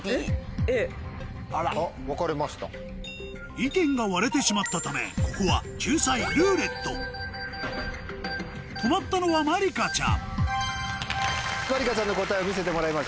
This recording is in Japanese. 意見が割れてしまったためここは救済「ルーレット」止まったのはまりかちゃんまりかちゃんの答えを見せてもらいましょう。